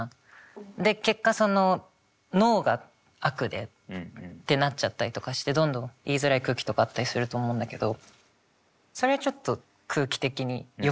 で結果「ＮＯ」が悪でってなっちゃったりとかしてどんどん言いづらい空気とかあったりすると思うんだけどそれはちょっと空気的によくないのかなって。